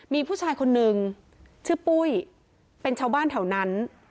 มีผู้ชายคนนึงชื่อปุ้ยเป็นชาวบ้านแถวนั้น